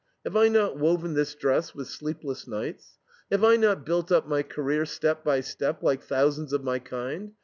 Have I not woven this dress with sleepless nights? Have I not built up my career step by step, like thousands of my kind?